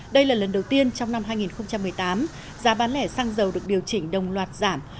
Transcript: đây là lần đầu tiên trong năm hai nghìn một mươi tám giá bán lẻ xăng dầu được điều chỉnh đồng loạt giảm